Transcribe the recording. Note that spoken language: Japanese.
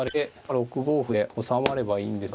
６五歩で収まればいいんですが。